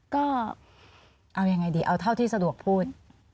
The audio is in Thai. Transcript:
ก็เอายังไงดีเอาเท่าที่สะดวกพูด